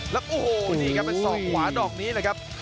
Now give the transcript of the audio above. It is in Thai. แล้วโอ้โหนี่ครับเป็นศอกขวาดอกนี้เลยครับ